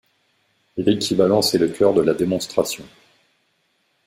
L'équivalence est le cœur de la démonstration.